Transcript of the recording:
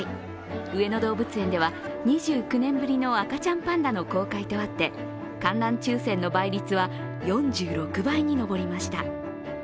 上野動物園では２９年ぶりの赤ちゃんパンダの公開とあって、観覧抽選の倍率は４６倍に上りました。